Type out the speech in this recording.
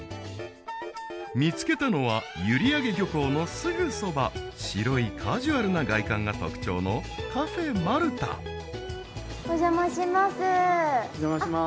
見つけたのは閖上漁港のすぐそば白いカジュアルな外観が特徴のお邪魔します